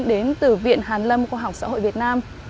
đến từ viện hàn lâm khoa học xã hội việt nam